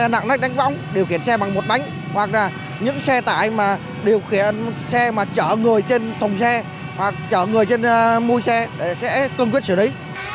lạng lách đánh võng điều khiển xe bằng một bánh hoặc là những xe tải mà điều khiển xe mà chở người trên thùng xe hoặc chở người trên mua xe để sẽ cương quyết xử lý